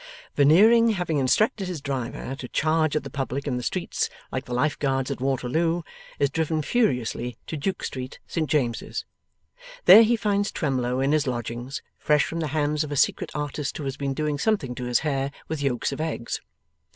Veneering having instructed his driver to charge at the Public in the streets, like the Life Guards at Waterloo, is driven furiously to Duke Street, Saint James's. There, he finds Twemlow in his lodgings, fresh from the hands of a secret artist who has been doing something to his hair with yolks of eggs.